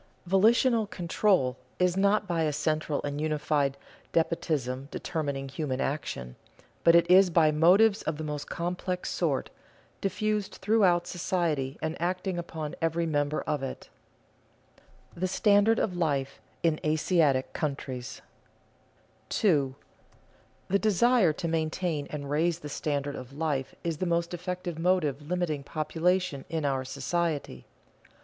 Volitional control is not by a central and unified despotism determining human action, but it is by motives of the most complex sort, diffused throughout society and acting upon every member of it. [Sidenote: The standard of life in Asiatic countries] 2. _The desire to maintain and raise the standard of life is the most effective motive limiting population in our society.